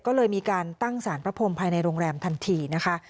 ก็เลยมีการตั้งสารพระพรมภายในโรงแรมทันทีนะคะ